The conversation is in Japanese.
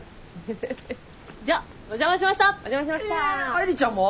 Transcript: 愛梨ちゃんも！？